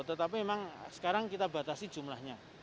tetapi memang sekarang kita batasi jumlahnya